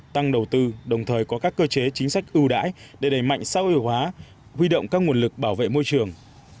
tăng đầu tư đồng thời có các cơ chế chính sách ưu đãi để đẩy mạnh xã hội hóa huy động các nguồn lực bảo vệ môi trường